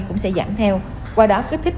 cũng sẽ giảm theo qua đó kích thích